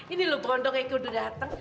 ini lo brondong eka udah dateng